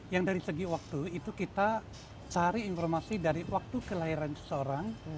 yang dari segi waktu itu kita cari informasi dari waktu kelahiran seseorang